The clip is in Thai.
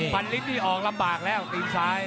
พันลิตรนี่ออกลำบากแล้วตีนซ้าย